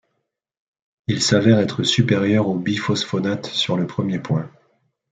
Il s'avère être supérieur aux biphosphonates sur le premier point.